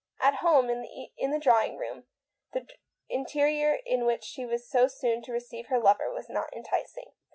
At home, in the drawing room, the milieu in which she was soon to receive her lover was not enticing.